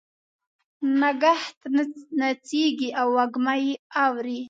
نګهت نڅیږې او وږمه یې اوري